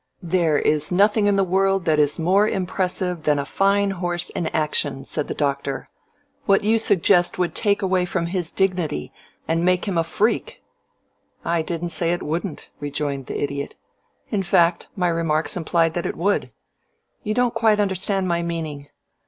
"There is nothing in the world that is more impressive than a fine horse in action," said the Doctor. "What you suggest would take away from his dignity and make him a freak." "I didn't say it wouldn't," rejoined the Idiot. "In fact, my remarks implied that it would. You don't quite understand my meaning.